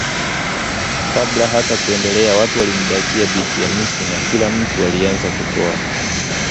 Kabla hata kuendelea watu walimdakiza Binti Khamisi na kila mtu alianza kutoa